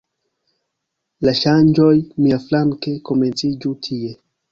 La ŝanĝoj, miaflanke, komenciĝu tie.